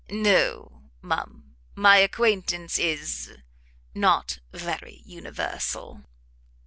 "No, ma'am, my acquaintance is not very universal."